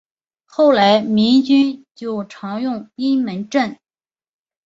后来民军就常用阴门阵。